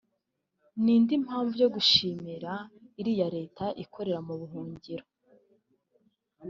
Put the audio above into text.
ni indi mpamvu yo gushimira iriya leta ikorera mu buhungiro